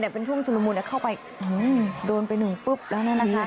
เนี่ยเป็นช่วงชุลมุนเข้าไปโดนไปนึงปุ๊บแล้วเนี่ยนะคะ